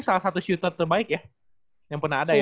salah satu shooter terbaik ya yang pernah ada ya